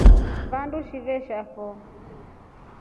Vandu shivesha foo.